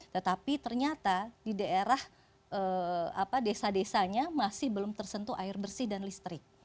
tetapi ternyata di daerah desa desanya masih belum tersentuh air bersih dan listrik